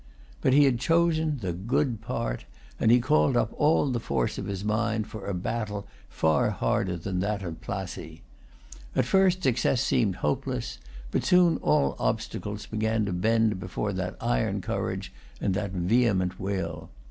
But he had chosen the good part; and he called up all the force of his mind for a battle far harder than that of Plassey. At first success seemed hopeless; but soon all obstacles began to bend before that iron courage and that vehement will.